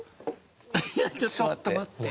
いやちょっと待って。